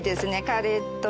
カレーと。